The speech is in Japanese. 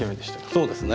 そうですね。